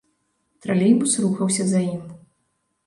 Тралейбус рухаўся за ім.